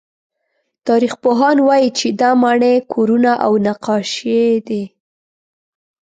تاریخپوهان وایي چې دا ماڼۍ، کورونه او نقاشۍ دي.